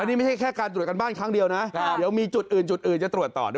นี่ไม่ใช่แค่การตรวจการบ้านครั้งเดียวนะเดี๋ยวมีจุดอื่นจุดอื่นจะตรวจต่อด้วย